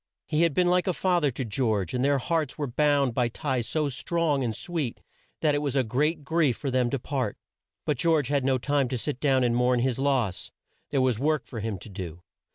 He had been like a fa ther to George, and their hearts were bound by ties so strong and sweet that it was a great grief for them to part. But George had no time to sit down and mourn his loss. There was work for him to do.